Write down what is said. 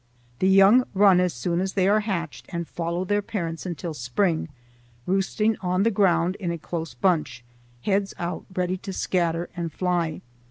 The young run as soon as they are hatched and follow their parents until spring, roosting on the ground in a close bunch, heads out ready to scatter and fly.